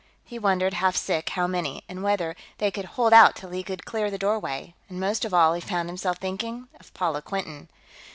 He wondered, half sick, how many, and whether they could hold out till he could clear the doorway, and, most of all, he found himself thinking of Paula Quinton.